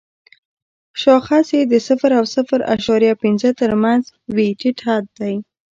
شاخص یې د صفر او صفر اعشاریه پنځه تر مینځ وي ټیټ حد دی.